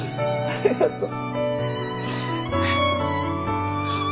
ありがとう。